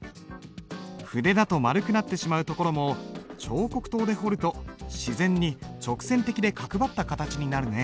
筆だと丸くなってしまうところも彫刻刀で彫ると自然に直線的で角張った形になるね。